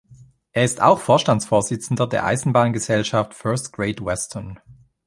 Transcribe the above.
Er ist auch Vorstandsvorsitzender der Eisenbahngesellschaft First Great Western.